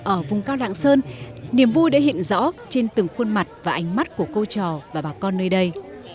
ở vùng cao lạng sơn niềm vui đã hiện rõ trên từng khuôn mặt và ánh mắt của cô trò và bà con nơi đây